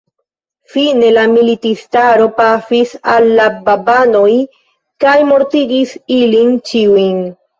Fine la militistaro pafis al la babanoj kaj mortigis ilin ĉiujn.